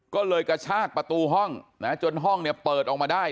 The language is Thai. ก็เลยกระชากประตูห้องนะจนห้องเนี่ยเปิดออกมาได้